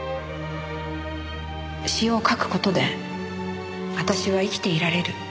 詩を書く事で私は生きていられる。